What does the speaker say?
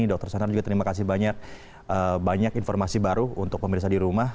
dokter sanar juga terima kasih banyak informasi baru untuk pemirsa di rumah